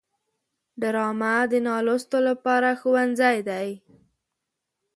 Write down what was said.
ډرامه د نالوستو لپاره ښوونځی دی